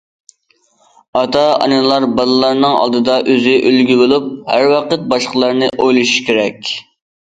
ئاتا- ئانىلار بالىلارنىڭ ئالدىدا ئۆزى ئۈلگە بولۇپ، ھەر ۋاقىت باشقىلارنى ئويلىشى كېرەك.